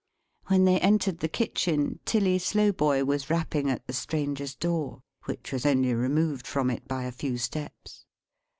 When they entered the kitchen, Tilly Slowboy was rapping at the Stranger's door; which was only removed from it by a few steps.